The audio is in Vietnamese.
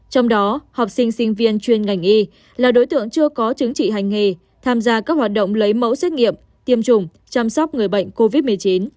trong đó học sinh sinh viên chuyên ngành y là đối tượng chưa có chứng chỉ hành nghề tham gia các hoạt động lấy mẫu xét nghiệm tiêm chủng chăm sóc người bệnh covid một mươi chín